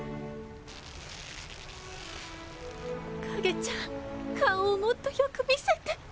カゲちゃん顔をもっとよく見せて。